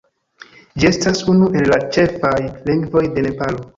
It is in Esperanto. Ĝi estas unu el la ĉefaj lingvoj de Nepalo.